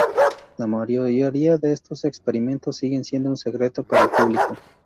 La mayoría de estos experimentos siguen siendo un secreto para el público.